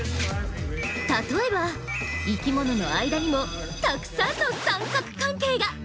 例えば生きものの間にもたくさんの三角関係が！